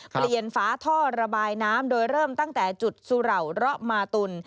ฝาท่อระบายน้ำโดยเริ่มตั้งแต่จุดสุเหล่าระมาตุล